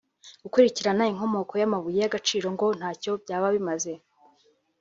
Gukurikirana inkomoko y’amabuye y’agaciro ngo ntacyo byaba bimaze